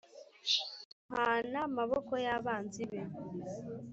Bamuhana maboko y abanzi be